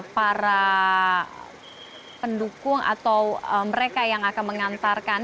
para pendukung atau mereka yang akan mengantarkan